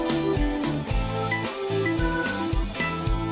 โอเคค่ะ